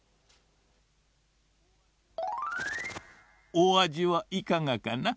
おあじはいかがかな？